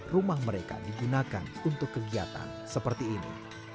rumah mereka digunakan untuk kegiatan seperti ini